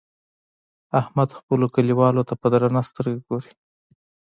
احمد خپلو کليوالو ته په درنه سترګه ګوري.